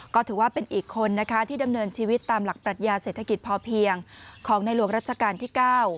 ก็ถือว่าเป็นอีกคนนะคะที่ดำเนินชีวิตตามหลักปรัชญาเศรษฐกิจพอเพียงของในหลวงรัชกาลที่๙